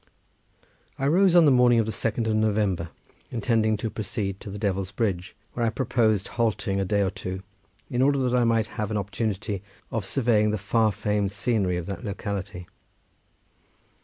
I rose on the morning of the 2nd of November intending to proceed to the Devil's Bridge, where I proposed halting a day or two in order that I might have an opportunity of surveying the far famed scenery of that locality.